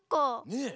ねえ。